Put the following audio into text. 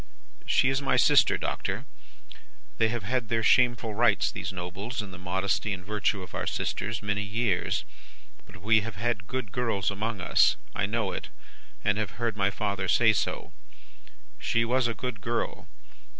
"'She is my sister, Doctor. They have had their shameful rights, these Nobles, in the modesty and virtue of our sisters, many years, but we have had good girls among us. I know it, and have heard my father say so. She was a good girl.